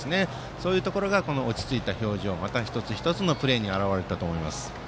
そういうところが落ち着いた表情また一つ一つのプレーに表れたと思います。